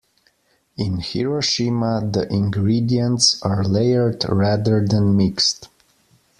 In Hiroshima, the ingredients are layered rather than mixed.